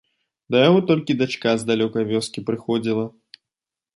Да яго толькі дачка з далёкай вёскі прыходзіла.